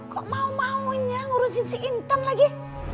kok mau maunya ngurusin si intan lagi